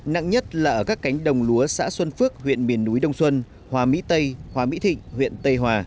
nặng nhất là ở các cánh đồng lúa xã xuân phước huyện miền núi đông xuân hòa mỹ tây hòa mỹ thịnh huyện tây hòa